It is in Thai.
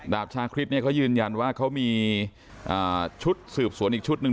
ชาคริสเนี่ยเขายืนยันว่าเขามีชุดสืบสวนอีกชุดหนึ่ง